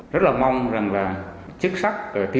rất là mong rằng là chức sắc tín đồ các tôn giáo